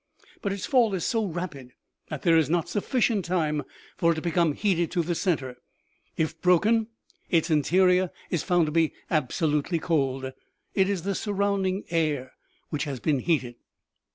But its fall is so rapid that there is not sufficient time for it to become heated to the center ; if broken, its interior is found to be absolutely cold. It is the surrounding air which has been heated.